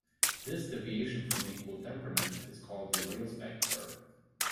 This deviation from equal temperament is called the Railsback curve.